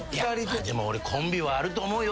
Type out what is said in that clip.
でも俺コンビはあると思うよ。